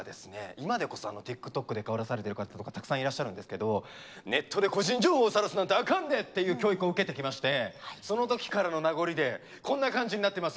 今でこそＴｉｋＴｏｋで顔出されてる方とかたくさんいらっしゃるんですけどネットで個人情報をさらすなんてあかんでっていう教育を受けてきましてその時からの名残でこんな感じになってます。